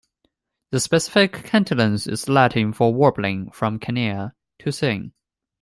The specific "cantillans" is Latin for "warbling" from "canere", "to sing".